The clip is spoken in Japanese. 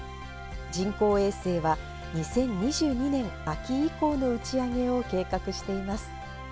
人工衛星は２０２２年秋以降の打ち上げを計画しています。